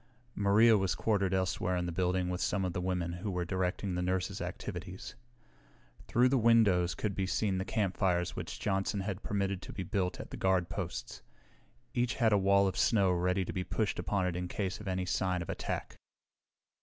Maria was quartered elsewhere in the building with some of the women who were directing the nurses' activities. Through the windows could be seen the campfires which Johnson had permitted to be built at the guard posts. Each had a wall of snow ready to be pushed upon it in case of any sign of attack.